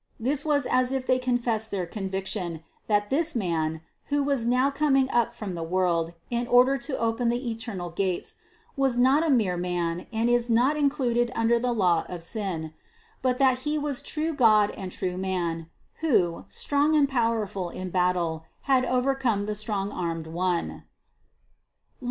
This was as if they confessed their conviction, that this Man, who was now coming up from the world in order to open the eternal gates, was not a mere man and is not included under the law of sin ; but that He was true God and true man, who, strong and powerful in battle, had overcome the strong armed one (Luc.